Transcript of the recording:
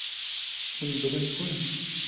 Hûn bilind bûn.